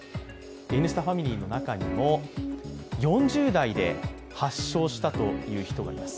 「Ｎスタ」ファミリーの中にも、４０代で発症したという人がいます。